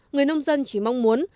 người nông dân chỉ mong muốn